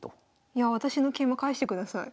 いやあ私の桂馬返してください。